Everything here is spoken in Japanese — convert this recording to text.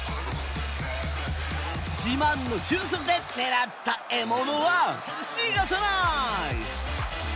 自慢の俊足で狙った獲物は逃がさない。